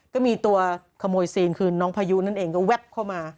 ก็มีตัวขโมยซีนคือน้องพายุนั่นเองก็แวบเข้ามา